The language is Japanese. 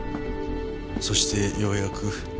そしてようやく。